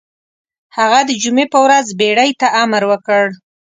هغه د جمعې په ورځ بېړۍ ته امر وکړ.